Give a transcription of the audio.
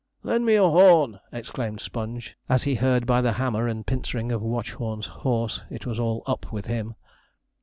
'Lend me your horn!' exclaimed Sponge, as he heard by the hammer and pincering of Watchorn's horse, it was all U P with him.